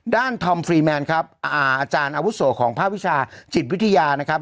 ธอมฟรีแมนครับอาจารย์อาวุโสของภาควิชาจิตวิทยานะครับ